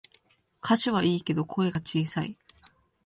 歌詞はいいけど声が小さい